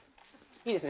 いいですね。